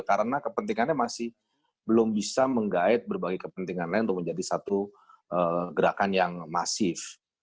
karena kepentingannya masih belum bisa menggait berbagai kepentingan lain untuk menjadi satu gerakan yang masif